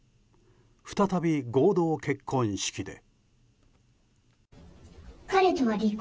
再び、合同結婚式で。